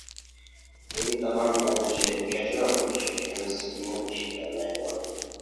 ئىمتىھان ئالغۇچى : كەچۈرۈڭ، شىركىتىمىز سىزنى ئىشلىتەلمەيدۇ.